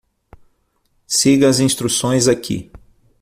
Siga as instruções aqui.